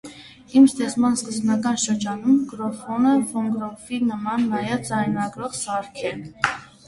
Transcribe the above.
Իր ստեղծման սկզբնական շրջանում գրամոֆոնը ֆոնոգրաֆի նման նաև ձայնագրող սարք էր։